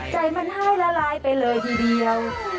ใจมันไห้ละลายไปเลยทีเดียว